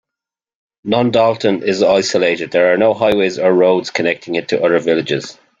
Nondalton is isolated: there are no highways or roads connecting it to other villages.